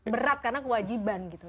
berat karena kewajiban gitu